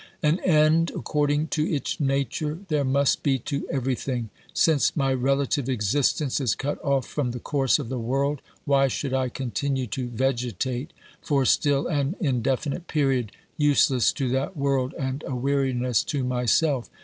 An end according to its nature there must be to every thing. Since my relative existence is cut off from the course of the world, why should I continue to vegetate for still an indefinite period, useless to that world and a weariness to myself?